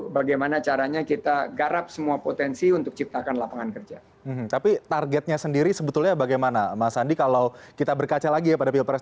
bagaimana caranya kita garap semua potensi untuk ciptakan lapangan kerja tapi targetnya sendiri sebetulnya bagaimana mas andi kalau kita berkaca lagi ya pada pilpres dua ribu sembilan belas